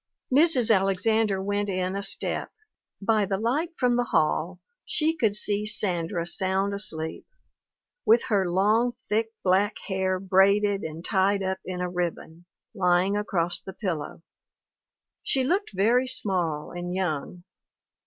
Mrs. Alexander went in a step; by the light from the hall she could see Sandra sound asleep, with her long, thick, black hair braided and tied up in a ribbon, lying across the pillow ; she looked very small and young.